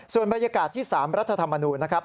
ส่วนบรรยากาศที่๓รัฐธรรมนูญนะครับ